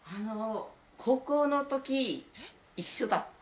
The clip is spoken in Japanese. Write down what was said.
高校のとき、一緒だった。